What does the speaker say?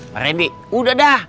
pak randy udah dah